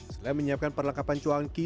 setelah menyiapkan perlengkapan cuanki